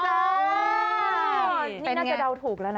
นี่น่าจะเดาถูกแล้วนะ